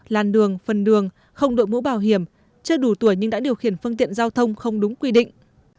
làn đường phần đường không đội mũ bảo hiểm chưa đủ tuổi nhưng đã điều khiển phương tiện giao thông không đúng quy định